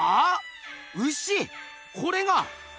これが？